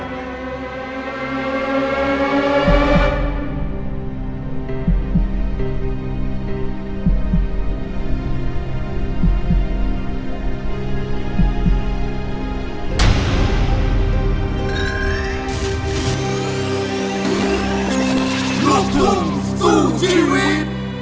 โปรดติดตามตอนต่อไป